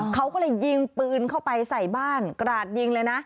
เขาก็เลยยิงปืนเข้าไปใส่บ้านกราดยิงเลยนะ